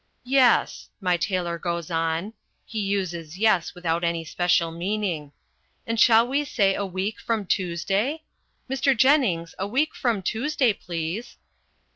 "Yes," my tailor goes on he uses "yes" without any special meaning "and shall we say a week from Tuesday? Mr. Jennings, a week from Tuesday, please."